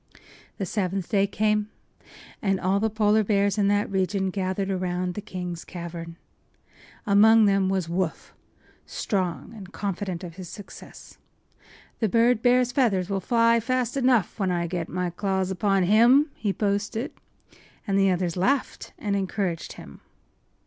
The seventh day came, and all the Polar bears in that region gathered around the king’s cavern. Among them was Woof, strong and confident of his success. “The bird bear’s feathers will fly fast enough when I get my claws upon him!” he boasted; and the others laughed and encouraged him.